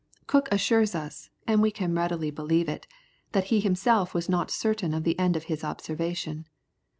Cook assures us, and we can readily believe it, that he himself was not certain of the end of his observation.